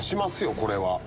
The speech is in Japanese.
これは。